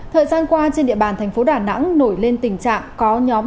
thời gian qua trên địa bàn thành phố đà nẵng nổi lên tình trạng